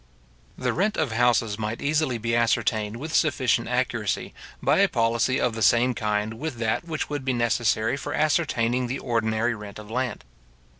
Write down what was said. The rent of houses might easily be ascertained with sufficient accuracy, by a policy of the same kind with that which would be necessary for ascertaining the ordinary rent of land.